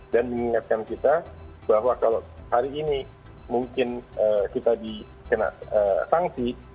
dan mengingatkan kita bahwa kalau hari ini mungkin kita dikena sanksi